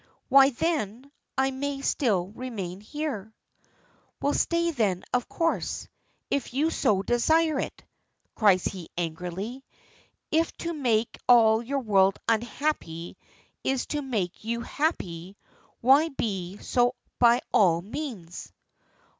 "Why then I may still remain here." "Well stay then, of course, if you so desire it!" cries he angrily. "If to make all your world _un_happy is to make you happy, why be so by all means."